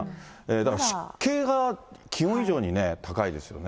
だから湿気が気温以上に高いですよね。